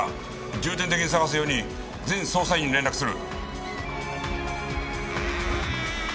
重点的に捜すように全捜査員に連絡する。